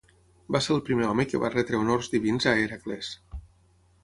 Va ser el primer home que va retre honors divins a Hèracles.